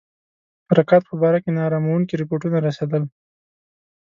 حرکاتو په باره کې نا اراموونکي رپوټونه رسېدل.